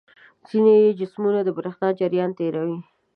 ځینې جسمونه د برېښنا جریان تیروي.